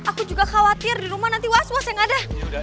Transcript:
aku juga khawatir dirumah nanti was was yang ada